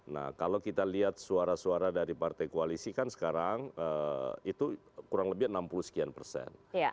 nah kalau kita lihat suara suara dari partai koalisi kan sekarang itu kurang lebih enam puluh sekian persen